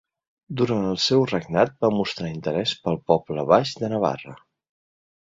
Durant el seu regnat va mostrar interès pel poble baix de Navarra.